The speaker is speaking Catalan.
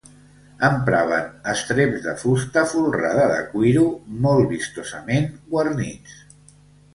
Empraven estreps de fusta folrada de cuiro, molt vistosament guarnits.